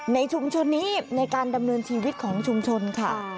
ในชุมชนนี้ในการดำเนินชีวิตของชุมชนค่ะ